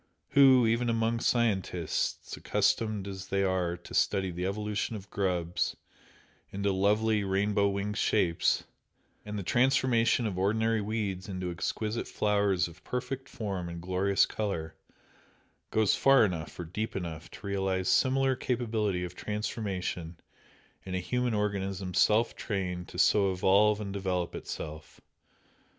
Who, even among scientists, accustomed as they are to study the evolution of grubs into lovely rainbow winged shapes, and the transformation of ordinary weeds into exquisite flowers of perfect form and glorious colour, goes far enough or deep enough to realise similar capability of transformation in a human organism self trained to so evolve and develop itself?